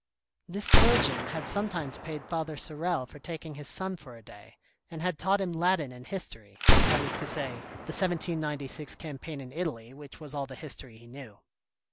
This Surgeon had sometimes paid Father Sorel for taking his son for a day, and had taught him Latin and History, that is to say the 1796 Campaign in Italy which was all the history he knew.